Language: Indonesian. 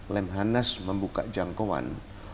lemhanas membuka jangkauan